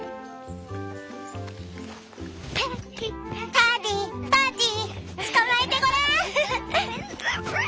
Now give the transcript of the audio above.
パディパディつかまえてごらん！